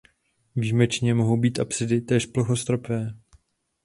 Výjimečně mohou být apsidy též plochostropé.